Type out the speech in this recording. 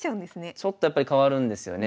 ちょっとやっぱり変わるんですよね。